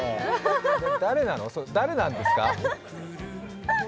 誰なんですか？